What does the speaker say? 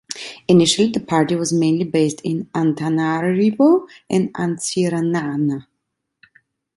Initially the party was mainly based in Antananarivo and Antsiranana.